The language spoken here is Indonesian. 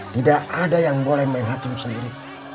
tidak ada yang boleh main hakim sendiri